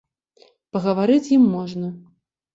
Пагаварыць з ім можна.